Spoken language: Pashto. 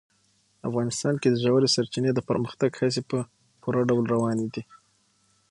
افغانستان کې د ژورې سرچینې د پرمختګ هڅې په پوره ډول روانې دي.